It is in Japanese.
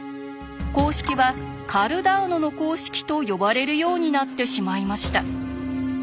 公式は「カルダーノの公式」と呼ばれるようになってしまいました。